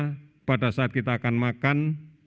setidak tidaknya setiap saat kita akan makan